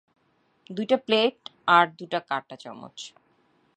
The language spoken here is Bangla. দুটা প্লেট আর দুটা কাঁটাচামচ!